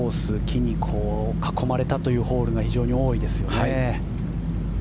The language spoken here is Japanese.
木に囲まれたというホールが非常に多いですよね。